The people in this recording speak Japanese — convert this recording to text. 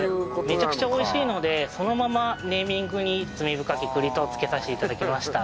めちゃくちゃ美味しいのでそのままネーミングに「罪深き栗」とつけさせて頂きました。